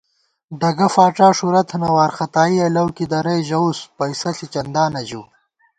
ڈگہ فاڄا ݭُرَہ تھنہ وارختائیَہ لَؤ کی درَئی ژَوُس پَئیسَہ ݪی چندانہ ژِؤ